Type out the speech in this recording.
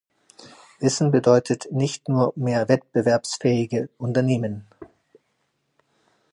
Wissen bedeutet nicht nur mehr wettbewerbsfähige Unternehmen.